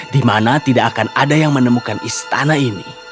di mana tidak akan ada yang menemukan istana ini